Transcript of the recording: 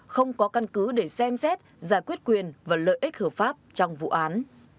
không có căn cứ để xem xét giải quyết quyền và lợi ích hợp pháp trong vụ án